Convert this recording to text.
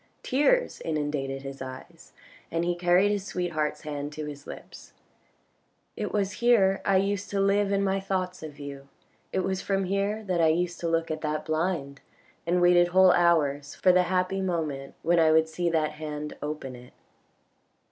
Tears inundated his eyes, and he carried his sweetheart's hand to his lips : "It was here I used to live in my thoughts of you, it was from here that I used to look at that blind, and waited whole hours for the happy moment when I would see that hand open it."